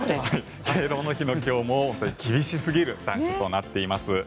敬老の日の今日も厳しすぎる残暑となっています。